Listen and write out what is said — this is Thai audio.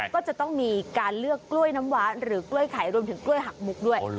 ก็จะต้องมีการเลือกกล้วยน้ำหวานหรือกล้วยไข่รวมถึงกล้วยหักมุกด้วย